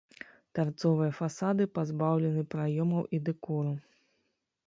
Тарцовыя фасады пазбаўлены праёмаў і дэкору.